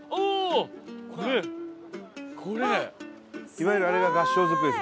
いわゆるあれが合掌造りです